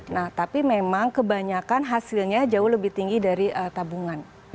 nah tapi memang kebanyakan hasilnya jauh lebih tinggi dari tabungan